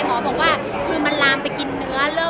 หมอบอกว่ามันลามไปกินเนื้อ